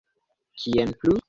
Kien plu?